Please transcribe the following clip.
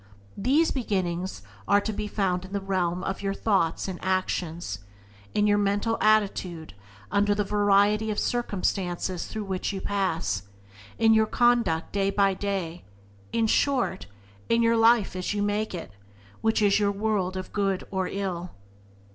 These beginnings are to be found in the realm of your own thoughts and actions; in your mental attitude under the variety of circumstances through which you pass; in your conduct day by day — in short, in your life as you make it, which is your world of good or ill.